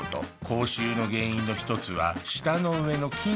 口臭の原因の一つは舌の上の菌なんです。